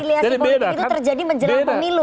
rekonsiliasi politik itu terjadi menjelang pemilu